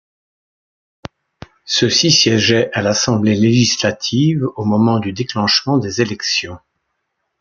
Ceux-ci siégeaient à l'Assemblée législative au moment du déclenchement des élections.